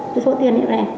cái số tiền như thế